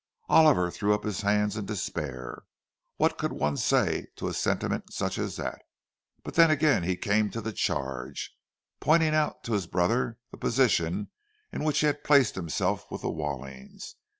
Oliver threw up his hands in despair. What could one say to a sentiment such as that? —But then again he came to the charge, pointing out to his brother the position in which he had placed himself with the Wallings.